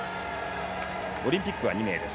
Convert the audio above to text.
オリンピックは２名です。